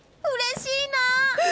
うれしいな！